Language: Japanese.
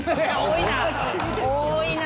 多いな！